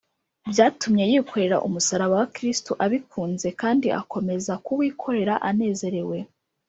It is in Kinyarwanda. byatumye yikorera umusaraba wa kristo abikunze, kandi akomeza kuwikorera anezerewe